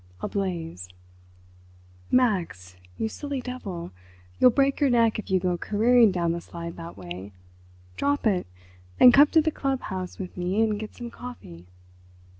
A BLAZE "Max, you silly devil, you'll break your neck if you go careering down the slide that way. Drop it, and come to the Club House with me and get some coffee."